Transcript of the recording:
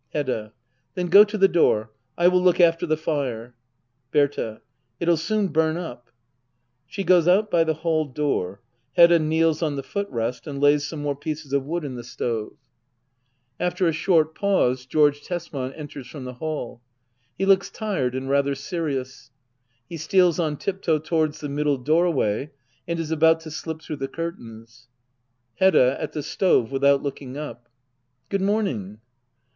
Hedda. Then go to the door. I will look after the fire. Berta. It'll soon bum up. [She goes out by the hall door, [Hedda kneels on the foot rest and lays some more pieces of wood in the stove. Digitized by Google ACT III.] HEDDA OABLER. 123 After a short pause, Georoe Tesbian enters from the hall. He looks Uredand rather serious. He steals on tiptoe towards the middle doorway and is about to slip through the curtains. Hedda. [At the stove, without looking up.] Good morning.